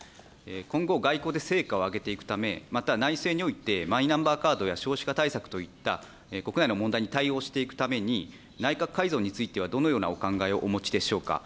今後、外交で成果を上げていくため、また内政において、マイナンバーカードや少子化対策といった、国内の問題に対応していくために、内閣改造についてはどのようなお考えをお持ちでしょうか。